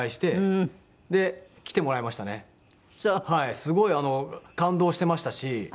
すごい感動してましたし。